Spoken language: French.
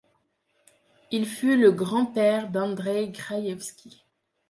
Il fut le grand-père d'Andreï Kraïevsky.